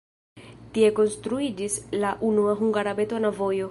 Tie konstruiĝis la unua hungara betona vojo.